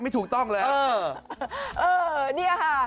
ไม่ถูกต้องเลย